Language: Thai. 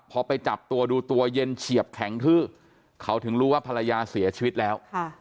พอไปจับตัวดูตัวเย็นเฉียบแข็งทื้อเขาถึงรู้ว่าภรรยาเสียชีวิตแล้ว